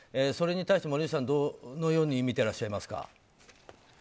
それに対して森内さんはどのように見てらっしゃいますか。